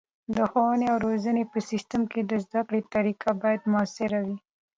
د ښوونې او روزنې په سیستم کې د زده کړې طریقه باید مؤثره وي.